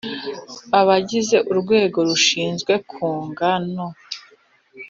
abagize urwego rushinzwe kunga no